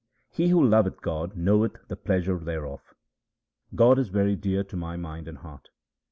He who loveth God knoweth the pleasure thereof ; God is very dear to my mind and heart.